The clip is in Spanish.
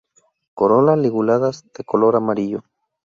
Corola liguladas, de color amarillo.